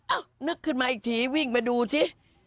เอ้านึกขึ้นมาอีกทีวิ่งไปดูสิ